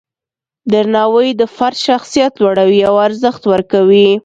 درناوی د فرد شخصیت لوړوي او ارزښت ورکوي.